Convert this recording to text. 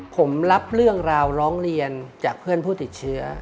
ผมรับเรื่องราวร้องเรียนจากเพื่อนผู้ติดเชื้อ